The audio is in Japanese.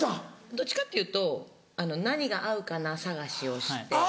どっちかっていうと何が合うかな探しをして。